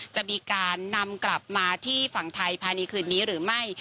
จะมีการนำกลับมาที่ฝั่งไทยภายในคืนนี้หรือไม่